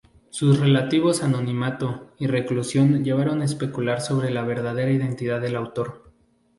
Sus relativos anonimato y reclusión llevaron a especular sobre la verdadera identidad del autor.